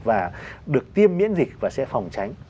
và được tiêm miễn dịch và sẽ phòng tránh